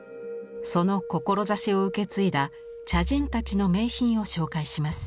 その志を受け継いだ茶人たちの名品を紹介します。